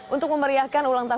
untuk memeriahkan ulang tahun